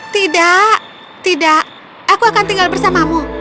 tidak tidak aku akan tinggal bersamamu